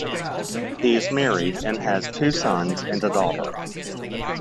He is married and has two sons and a daughter.